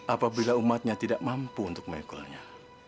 apabila umatnya tidak mampu untuk mengikulnya